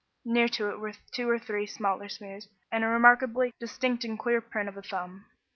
Near to it were two or three smaller smears and a remarkably distinct and clean print of a thumb.